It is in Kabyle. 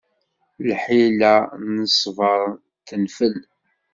Lḥila n ṣṣbeṛ tenfel.